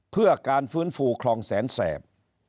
เพื่อการฟื้นฟูคลองแสนแสบ